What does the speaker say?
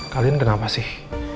kalian kenapa sih